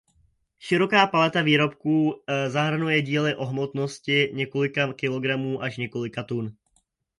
Široká paleta výrobků zahrnuje díly o hmotnosti několika kilogramů až několika tun.